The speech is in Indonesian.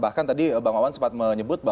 bahkan tadi bang mawar sempat menyebutnya